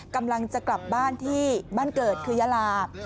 กำลังจะกลับบ้านที่บ้านเกิดคือยาลา